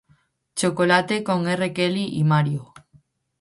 Chocolate" con R. Kelly y Mario.